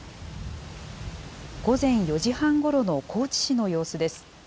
午前４時半ごろの高知市の様子です。